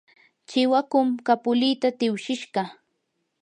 chiwakum kapulita tiwshishqa.